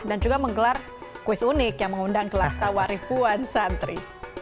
dan juga menggelar kuis unik yang mengundang ke latta warif puan santri